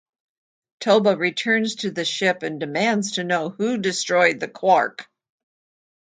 Toba returns to the ship and demands to know who destroyed the Quark.